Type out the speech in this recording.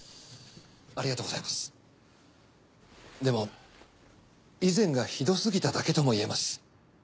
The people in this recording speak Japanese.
でも以前がひどすぎただけとも言えます。